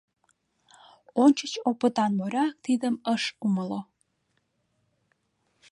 Ончыч опытан моряк тидым ыш умыло.